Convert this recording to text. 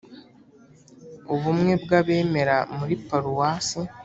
ubumwe bw’abemera muri paruwasi.